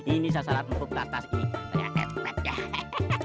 ini saya saran untuk kata kata ini